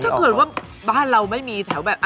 ถ้าเกิดว่าบ้านเราไม่มีแถวแบบ